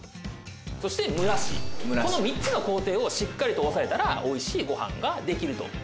「そして蒸らし」「この３つの工程をしっかりと押さえたらおいしいご飯ができると」